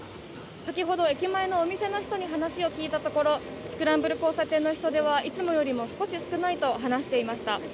先ほど駅前のお店の人に話を聞いたところ、スクランブル交差点の人出はいつもよりも少し少ないと話していました。